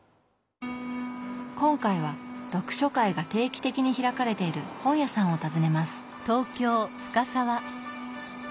今回は読書会が定期的に開かれている本屋さんを訪ねます。